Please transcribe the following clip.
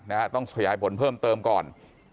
นะฮะต้องขยายผลเพิ่มเติมก่อน